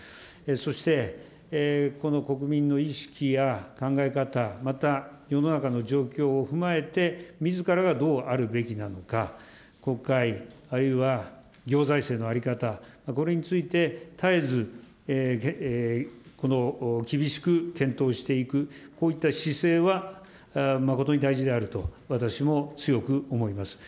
そして、この国民の意識や考え方、また世の中の状況を踏まえてみずからがどうあるべきなのか、国会、あるいは行財政の在り方、これについて絶えず厳しく検討していく、こういった姿勢は誠に大事であると、私も強く思います。